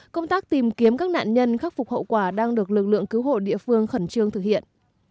công tác tìm kiếm các nạn nhân khắc phục hậu quả đang được lực lượng cứu hộ địa phương khẩn trương thực hiện